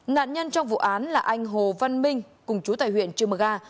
nạn nhân trong vụ án là anh hồ văn minh cùng chú tại huyện trư mờ ga